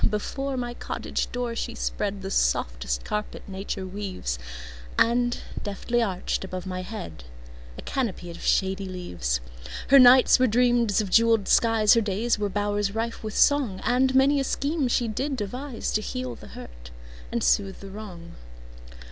Before my cottage door she spreadThe softest carpet nature weaves, And deftly arched above my headA canopy of shady leaves. Her nights were dreams of jeweled skies, Her days were bowers rife with song, And many a scheme did she deviseTo heal the hurt and soothe the wrong.